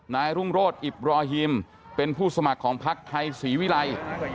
นายรุ่งโรธอิบรอฮิมเป็นผู้สมัครของพักไทยศรีวิรัย